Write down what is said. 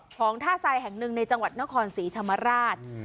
ของท่าทรายแห่งหนึ่งในจังหวัดนครศรีธรรมราช